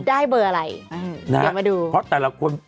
ได้เบอร์อะไรเดี๋ยวมาดู